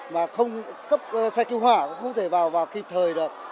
mà không cấp xe cứu hỏa cũng không thể vào kịp thời được